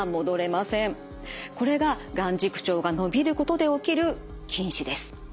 これが眼軸長が伸びることで起きる近視です。